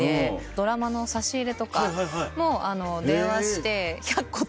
ドラマの差し入れとかも電話して。